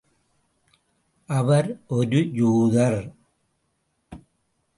அவர் ஒரு யூதர்.